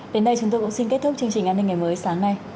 đến đây chúng tôi cũng xin kết thúc chương trình an ninh ngày mới sáng nay